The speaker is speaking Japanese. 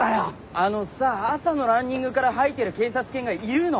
あのさ朝のランニングから吐いてる警察犬がいるの？